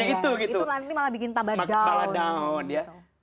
itu nanti malah bikin tambah down